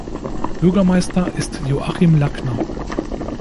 Bürgermeister ist Joachim Lackner.